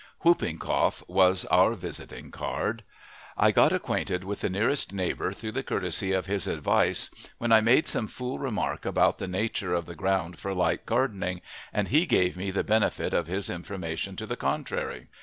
Whooping cough was our visiting card. I got acquainted with the nearest neighbor through the courtesy of his advice when I made some fool remark about the nature of the ground for light gardening, and he gave me the benefit of his information to the contrary.